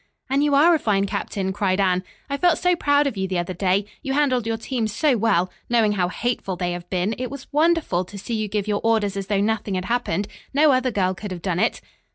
"And you are a fine captain," cried Anne. "I felt so proud of you the other day. You handled your team so well. Knowing how hateful they have been, it was wonderful to see you give your orders as though nothing had happened. No other girl could have done it."